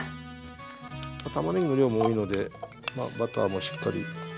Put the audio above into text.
たまねぎの量も多いのでバターもしっかり。